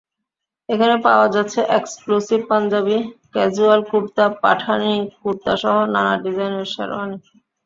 এখানে পাওয়া যাচ্ছে এক্সক্লুসিভ পাঞ্জাবি, ক্যাজুয়াল কুর্তা, পাঠানি কুর্তাসহ নানা ডিজাইনের শেরওয়ানি।